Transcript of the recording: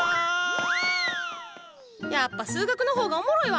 やっぱ数学の方がおもろいわ。